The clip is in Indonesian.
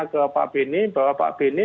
ke pak benny bahwa pak benny